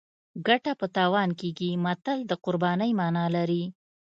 ګټه په تاوان کېږي متل د قربانۍ مانا لري